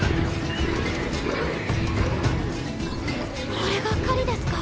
これが狩りですか？